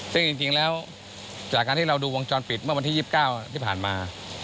ซึ่งจริงแล้วจากการที่เราดูวงจรปิดเมื่อวันที่๒๙ที่ผ่านมา